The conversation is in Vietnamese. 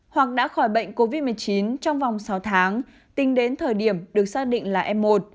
hoặc đã khỏi bệnh covid một mươi chín trong vòng sáu tháng tính đến thời điểm được xác định là f một